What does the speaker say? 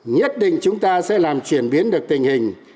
nhất định chúng ta sẽ làm chuyển biến được tình hình